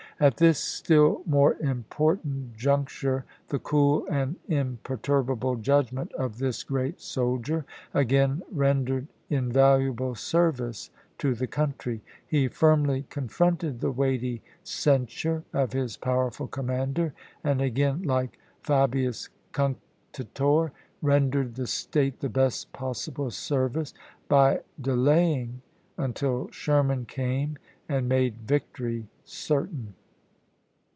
At this still more important juncture the cool and imperturbable judgment of this great soldier again rendered in valuable service to the country. He firmly con fronted the weighty censure of his powerful com mander, and again, like Fabius Cunctator, rendered the state the best possible service by delaying un til Sherman came and made victory certain.